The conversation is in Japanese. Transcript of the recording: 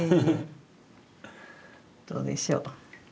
どうでしょう？